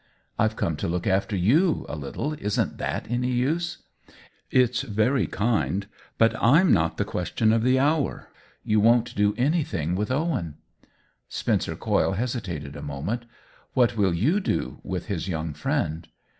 "IVe come to look after you a little. Isn't that any use ?"" It's very kind. But I'm not the ques tion of the hour. You won't do anything with Owen." OWEN WINGRAVE 203 Spencer Coyle hesitated a moment. " What will you do with his young friend